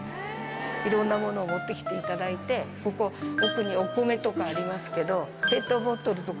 いろんなものを持ってきていただいて、ここ、奥にお米とかありますけど、ペットボトルとか。